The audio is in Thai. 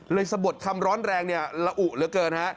สะบดคำร้อนแรงเนี่ยละอุเหลือเกินฮะ